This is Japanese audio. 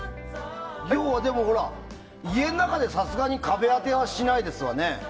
でも、家の中でさすがに壁当てはしないですよね。